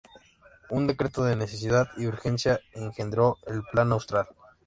Un decreto de necesidad y urgencia engendró el Plan Austral.